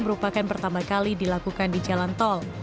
merupakan pertama kali dilakukan di jalan tol